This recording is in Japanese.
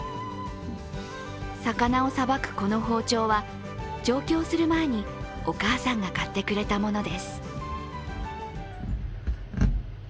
魚をさばくこの包丁は上京する前にお母さんが買ってくれたものです。